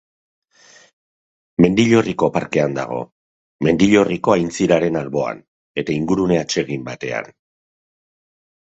Mendillorriko parkean dago, Mendillorriko aintziraren alboan, eta ingurune atsegin batean.